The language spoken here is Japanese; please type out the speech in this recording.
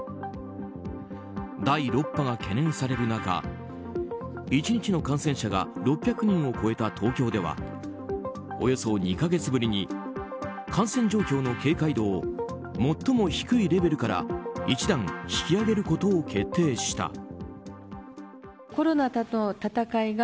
第６波が懸念される中１日の感染者が６００人を超えた東京ではおよそ２か月ぶりに感染状況の警戒度を最も低いレベルから１段引き上げることを決定した。